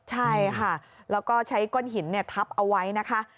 ใช่ค่ะแล้วก็ใช้ก้อนหินทับเอาไว้นะคะ